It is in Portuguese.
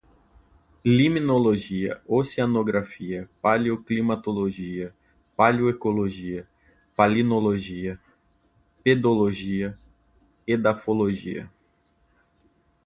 limnologia, oceanografia, paleoclimatologia, paleoecologia, palinologia, pedologia, edafologia